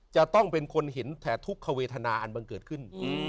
จะต้องเป็นคนเห็นแถ่ทุกขเวทนาอันบังเกิดขึ้น